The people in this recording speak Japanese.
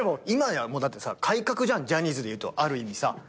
今やもう改革じゃんジャニーズでいうとある意味さ。